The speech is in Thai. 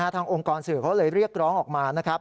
องค์กรสื่อเขาเลยเรียกร้องออกมานะครับ